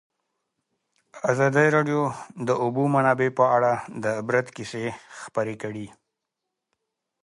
ازادي راډیو د د اوبو منابع په اړه د عبرت کیسې خبر کړي.